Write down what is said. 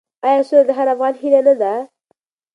آیا سوله د هر افغان هیله نه ده؟